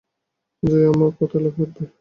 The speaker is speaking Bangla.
যে আমার কথায় লাফিয়ে উঠবে।